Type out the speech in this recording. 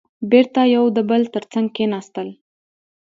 بېرته يو د بل تر څنګ کېناستل.